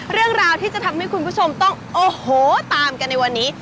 เรื่องราวที่จะทำให้คุณผู้ชมต้องโอ้โหตามกันในวันนี้